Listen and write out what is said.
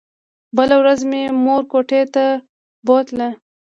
بله ورځ مې مور کوټې ته بوتله.